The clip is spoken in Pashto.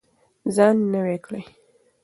ځان نوی کړئ.